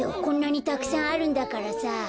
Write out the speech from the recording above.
こんなにたくさんあるんだからさ。